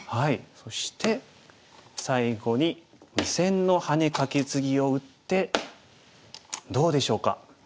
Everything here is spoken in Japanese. そして最後に２線のハネカケツギを打ってどうでしょうか？